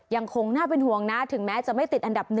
ยังคงน่าเป็นห่วงนะถึงแม้จะไม่ติดอันดับ๑